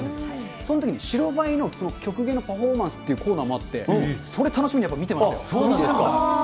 そのときに白バイの曲芸のパフォーマンスって、コーナーもあって、それ楽しみにやっぱり見てましたよ。